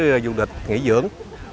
chứ du lịch nghỉ dưỡng